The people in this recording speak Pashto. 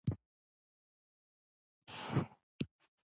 د رامپور پښتنو حرکت هرکلی کړی.